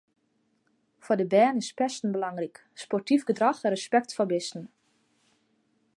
Foar de bern is pesten belangryk, sportyf gedrach en respekt foar bisten.